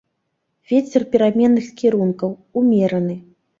Вецер пераменных кірункаў, умераны.